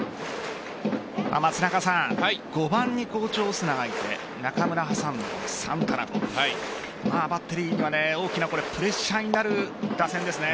５番に好調・オスナがいて中村を挟んでサンタナとバッテリーには大きなプレッシャーになる打線ですね。